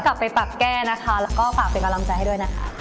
กลับไปปรับแก้นะคะแล้วก็ฝากเป็นกำลังใจให้ด้วยนะคะ